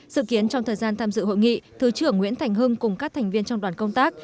sự kiến trong thời gian tham dự hội nghị thứ trưởng nguyễn thành hưng cùng các thành viên trong đoàn công tác